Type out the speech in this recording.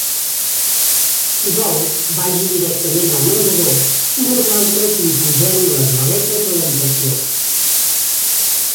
Si vol, vagi directament al menjador i nosaltres li pugem les maletes a l'habitació.